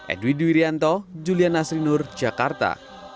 edwid wirianto julian nasrinur jakarta